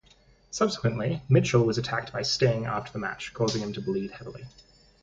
Subsequently, Mitchell was attacked by Sting after the match, causing him to bleed heavily.